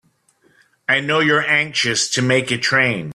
I know you're anxious to make a train.